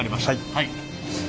はい。